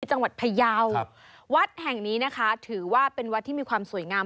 จังหวัดพยาววัดแห่งนี้นะคะถือว่าเป็นวัดที่มีความสวยงาม